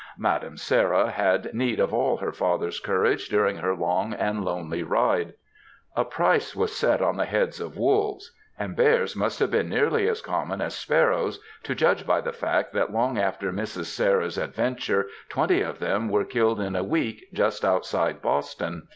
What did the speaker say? ^ Madam Sarah had need of all her ftfther^s courage during her long and lonely ride. A price was set on the heads of wolves, and bears must have been nearly as common as sparrows, to judge by the fact that long after Mrs. Sarah^s adventure twenty of them were killed in a week just outside Boston.